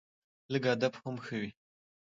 لږ ادب هم ښه وي